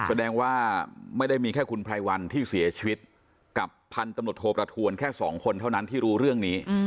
แสดงว่าไม่ได้มีแค่คุณไพรวันที่เสียชีวิตกับพันธุ์ตำรวจโทประทวนแค่สองคนเท่านั้นที่รู้เรื่องนี้